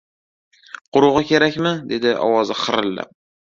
— «Qurug‘i» kerakmi? — dedi ovozi xirillab.